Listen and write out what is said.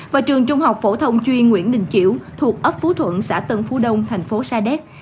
và trường trung học phổ thông chuyên nguyễn đình chiểu thuộc ấp phú thuận xã tân phú đông thành phố sa đéc